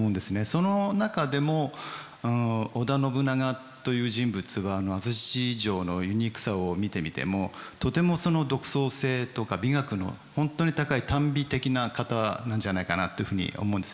その中でも織田信長という人物は安土城のユニークさを見てみてもとても独創性とか美学の本当に高いたん美的な方なんじゃないかなというふうに思うんですね。